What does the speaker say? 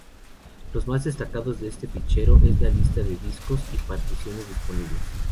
Lo más destacado de este fichero es la lista de discos y particiones disponibles.